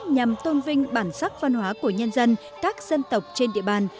nhằm tôn vinh bản sắc văn hóa của nhân dân các dân tộc trên địa bàn